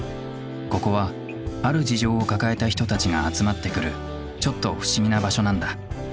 ここはある事情を抱えた人たちが集まってくるちょっと不思議な場所なんだ。